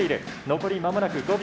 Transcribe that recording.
残りまもなく５秒。